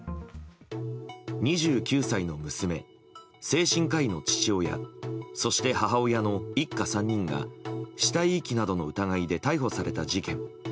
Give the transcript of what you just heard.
２９歳の娘、精神科医の父親そして母親の一家３人が死体遺棄などの疑いで逮捕された事件。